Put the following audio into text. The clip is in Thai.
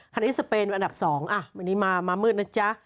ที่สเปนอันดับ๒วันนี้มามืดนะจ๊ะ